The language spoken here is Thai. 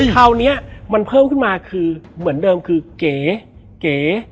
คราวนี้มันเพิ่มขึ้นมาคือเหมือนเดิมคือเก๋เก๋